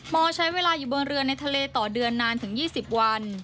ใช้เวลาอยู่บนเรือในทะเลต่อเดือนนานถึง๒๐วัน